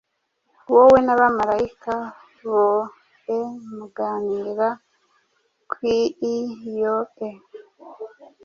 Wowe nabamarayika boe muganira kwii yoe